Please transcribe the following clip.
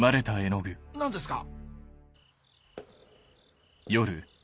何ですか？